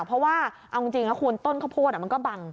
เพราะว่าเอาจริงนะคุณต้นข้าวโพดมันก็บัง